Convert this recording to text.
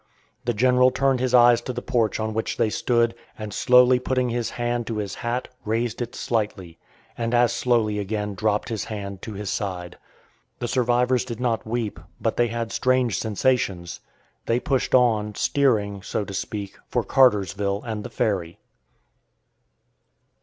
The General turned his eyes to the porch on which they stood, and slowly putting his hand to his hat, raised it slightly, and as slowly again dropped his hand to his side. The survivors did not weep, but they had strange sensations. They pushed on, steering, so to speak, for Cartersville and the ferry.